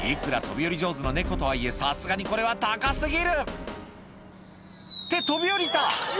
飛び降り上手の猫とはいえさすがにこれは高過ぎる！って飛び降りた！